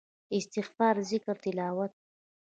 استغفار ذکر تلاوت